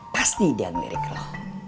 pasti dia ngelirik lo